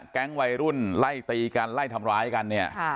แก๊งวัยรุ่นไล่ตีกันไล่ทำร้ายกันเนี่ย